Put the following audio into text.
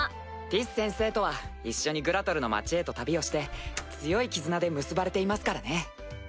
ティス先生とは一緒にグラトルの街へと旅をして強い絆で結ばれていますからね。